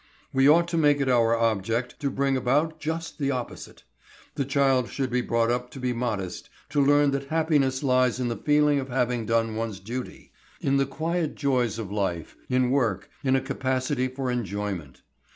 We ought to make it our object to bring about just the opposite. The child should be brought up to be modest, to learn that happiness lies in the feeling of having done one's duty, in the quiet joys of life, in work, in a capacity for enjoyment.